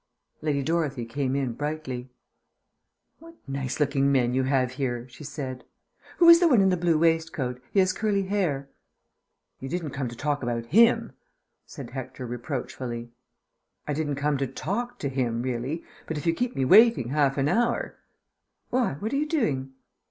Lady Dorothy came in brightly. "What nice looking men you have here," she said. "Who is the one in the blue waistcoat? He has curly hair." "You didn't come to talk about him?" said Hector reproachfully. "I didn't come to talk to him really, but if you keep me waiting half an hour Why, what are you doing?"